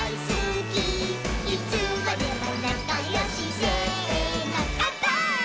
「いつまでもなかよしせーのかんぱーい！！」